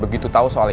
begitu tau soal ini